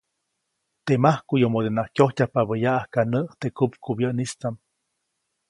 Teʼ majkuʼyomodenaʼk kyojtyajpabä yaʼajka näʼ teʼ kupkubyäʼnistaʼm.